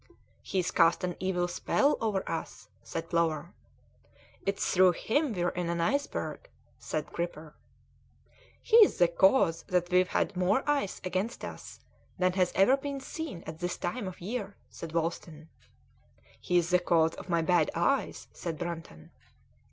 "He's cast an evil spell over us," said Plover. "It's through him we're in an iceberg," said Gripper. "He's the cause that we've had more ice against us than has ever been seen at this time of year," said Wolsten. "He's the cause of my bad eyes," said Brunton.